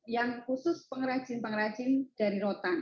yang khusus pengrajin pengrajin dari rotan